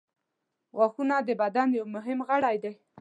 • غاښونه د بدن یو مهم غړی دی.